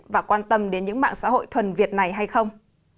và quan tâm đến những mạng xã hội thuần việt này hay không